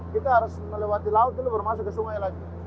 kita harus melewati laut itu baru masuk ke sungai lagi